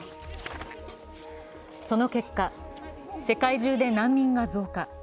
その結果、世界中で難民が増加。